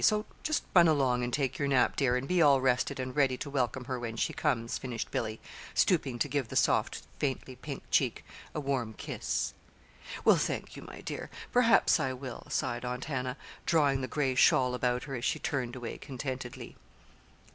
So just run along and take your nap, dear, and be all rested and ready to welcome her when she comes," finished Billy, stooping to give the soft, faintly pink cheek a warm kiss. "Well, thank you, my dear; perhaps I will," sighed Aunt Hannah, drawing the gray shawl about her as she turned away contentedly.